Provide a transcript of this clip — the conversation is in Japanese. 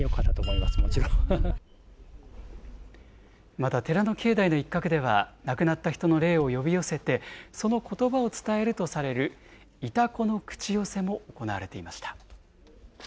また寺の境内の一角では、亡くなった人の霊を呼び寄せて、そのことばを伝えるとされるイタコの口寄せも行われていました。